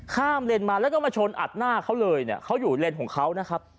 เลนมาแล้วก็มาชนอัดหน้าเขาเลยเนี่ยเขาอยู่เลนของเขานะครับ